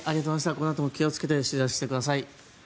このあとも気をつけて取材をしてください。